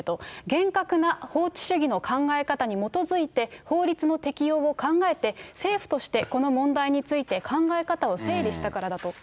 厳格な法治主義の考え方に基づいて、法律の適用を考えて、政府としてこの問題について考え方を整理したからだと。